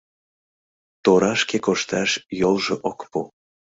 Торашке кошташ йолжо ок пу.